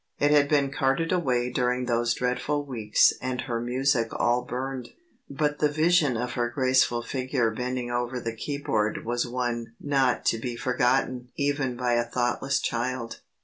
It had been carted away during those dreadful weeks and her music all burned; but the vision of her graceful figure bending over the keyboard was one not to be forgotten even by a thoughtless child.